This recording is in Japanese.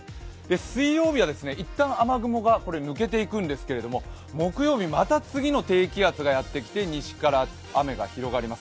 水曜日はいったん雨雲が抜けていくんですけど木曜日、また次の低気圧がやってきて西から雨が広がります。